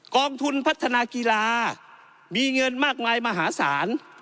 กองทุนพัฒนากีฬามีเงินมากมายมหาศาล